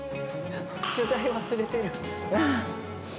取材忘れてる。